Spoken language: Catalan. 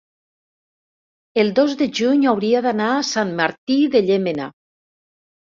el dos de juny hauria d'anar a Sant Martí de Llémena.